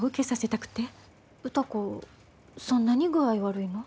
そんなに具合悪いの？